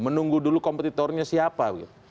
menunggu dulu kompetitornya siapa